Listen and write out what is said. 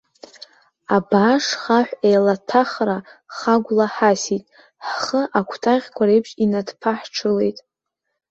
Абааш хаҳә еилаҭәахра хагәла ҳасит, ҳхы акәтаӷьқәа реиԥш инадԥаҳҽылеит.